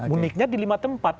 uniknya di lima tempat